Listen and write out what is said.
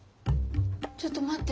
ちょっと待って。